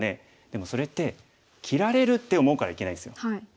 でもそれって「切られる！」って思うからいけないんですよ。